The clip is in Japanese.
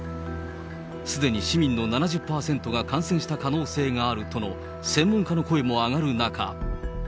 すでに市民の７０％が感染した可能性があるとの専門家の声も上がる中。